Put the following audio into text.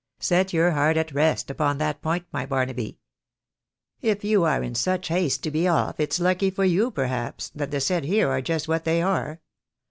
Set your heart at rest upon that point, my Barnaby. If you are in such haste to be oif, it's lucky for you, perhaps, that the set here are just what they are.